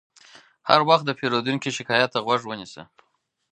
هر وخت د پیرودونکي شکایت ته غوږ ونیسه.